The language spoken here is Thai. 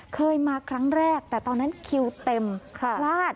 เคยมาครั้งแรกแต่ตอนนั้นคิวเต็มพลาด